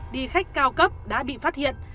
đi khách cao cấp đã bị phát hiện